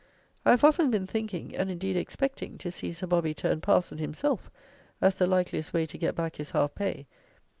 I have often been thinking, and, indeed, expecting, to see Sir Bobby turn parson himself, as the likeliest way to get back his half pay.